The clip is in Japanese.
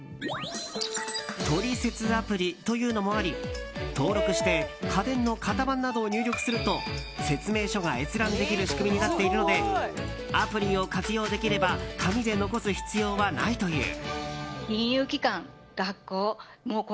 トリセツアプリというのもあり登録して家電の型番などを入力すると説明書が閲覧できる仕組みになっているのでアプリを活用できれば紙で残す必要はないという。